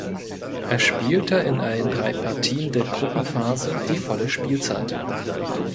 Er spielte in allen drei Partien der Gruppenphase die volle Spielzeit.